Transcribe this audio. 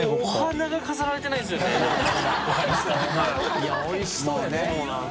いやおいしそうやで？